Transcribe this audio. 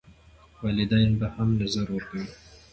والدین به هم نظر ورکوي.